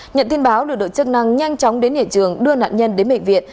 nhận tin báo được đội chức năng nhanh chóng đến hệ trường đưa nạn nhân đến bệnh viện